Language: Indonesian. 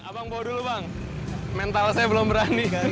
abang bawa dulu bang mental saya belum berani kan